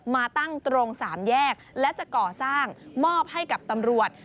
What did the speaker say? มาตั้งตรงสามแยกและจะก่อสร้างมอบให้กับตำรวจ